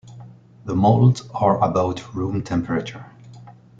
The moulds are about room temperature.